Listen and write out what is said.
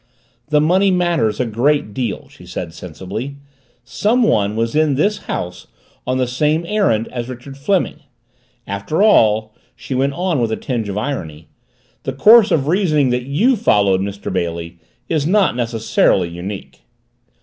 "The money matters a great deal," she said, sensibly. "Someone was in this house on the same errand as Richard Fleming. After all," she went on with a tinge of irony, "the course of reasoning that you followed, Mr. Bailey, is not necessarily unique."